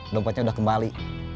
dompetnya udah kembali